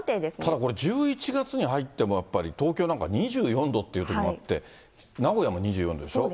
ただこれ１１月に入っても、やっぱり東京なんか２４度っていう日もあって、名古屋も２４度でしょう。